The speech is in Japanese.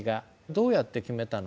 どうやって決めたの？